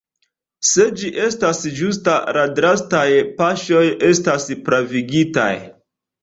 Se ĝi estas ĝusta la drastaj paŝoj estas pravigitaj.